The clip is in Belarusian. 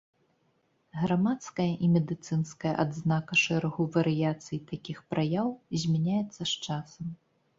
Грамадская і медыцынская адзнака шэрагу варыяцый такіх праяў змяняецца з часам.